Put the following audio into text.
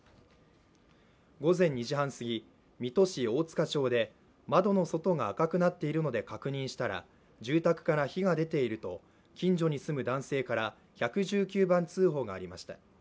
午前２時半過ぎ、水戸市大塚町で窓の外が赤くなっているので確認したら住宅から火が出ていると近所に住む男性から１１９番通報がありました。